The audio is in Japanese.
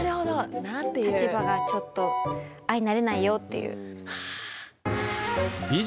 立場がちょっと相成れないよっていう。